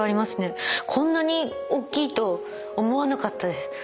こんなにおっきいと思わなかったです。